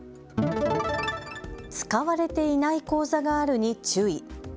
使われていない口座があるに注意。